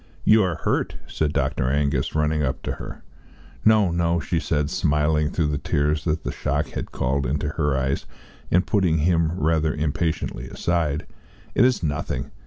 "You are hurt," said Dr. Angus, running up to her. "No, no," she said, smiling through the tears that the shock had called into her eyes, and putting him rather impatiently aside; "it is nothing.